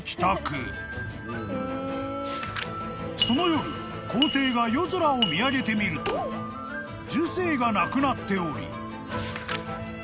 ［その夜皇帝が夜空を見上げてみると寿星がなくなっており］